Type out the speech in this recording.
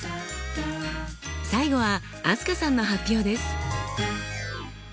最後は飛鳥さんの発表です。